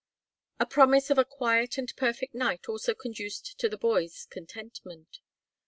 A promise of a quiet and perfect night also conduced to the boy's contentment.